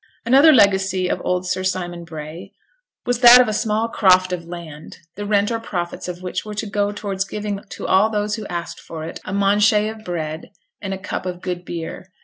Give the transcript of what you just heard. Another legacy of old Sir Simon Bray was that of a small croft of land, the rent or profits of which were to go towards giving to all who asked for it a manchet of bread and a cup of good beer.